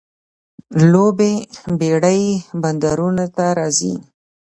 لویې بیړۍ بندرونو ته راځي.